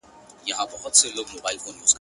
نه وي عشق کي دوې هواوي او یو بامه,